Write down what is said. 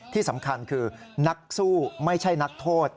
ที่สำคัญคือนักสู้ไม่ใช่นักโทษ